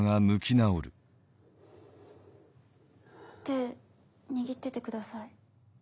手握っててください。